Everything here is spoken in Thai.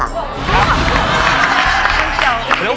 แล้ววอลเล่ใคร